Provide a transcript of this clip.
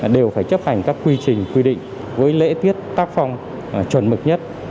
đều phải chấp hành các quy trình quy định với lễ tiết tác phong chuẩn mực nhất